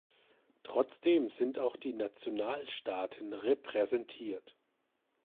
Trotzdem sind auch die Nationalstaaten repräsentiert.